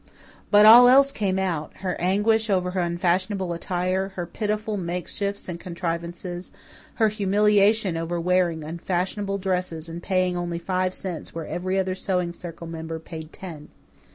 But all else came out her anguish over her unfashionable attire, her pitiful makeshifts and contrivances, her humiliation over wearing unfashionable dresses and paying only five cents where every other Sewing Circle member paid ten.